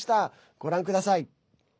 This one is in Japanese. ご覧ください。